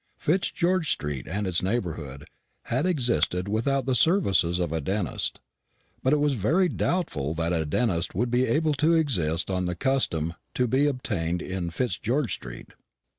Fitzgeorge street and its neighbourhood had existed without the services of a dentist, but it was very doubtful that a dentist would be able to exist on the custom to be obtained in Fitzgeorge street.